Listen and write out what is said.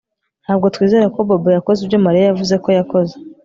Ntabwo twizera ko Bobo yakoze ibyo Mariya yavuze ko yakoze